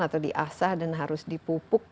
atau di asah dan harus dipupuk